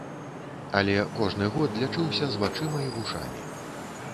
Але кожны год лячыўся з вачыма і вушамі.